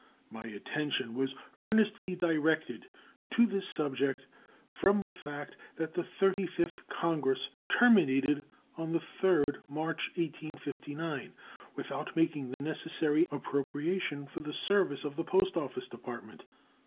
My attention was earnestly directed to this subject from the fact that the Thirty fifth Congress terminated on the 3d March, 1859, without making the necessary appropriation for the service of the Post Office Department.